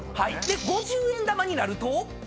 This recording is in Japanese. ５０円玉になると。